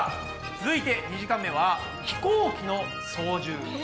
続いて２時間目は「飛行機の操縦」。